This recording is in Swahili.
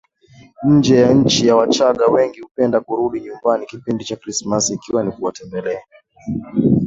nje ya nchiWachagga wengi hupenda kurudi nyumbani kipindi cha Krismasi ikiwa ni kuwatembelea